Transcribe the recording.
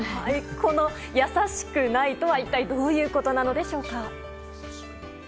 この「やさしくない」とは一体どういうことなのでしょうか。